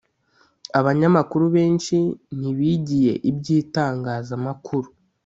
Abanyamakuru benshi ntibigiye iby’itangazamakuru